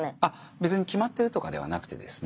別に決まってるとかではなくてですね